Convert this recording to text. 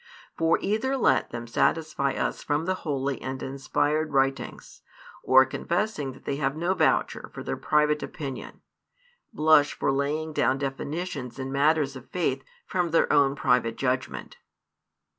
For either let them satisfy us from the holy and inspired writings, or confessing they have no voucher for their private opinion, blush for laying down definitions in matters of faith from their own private judgment.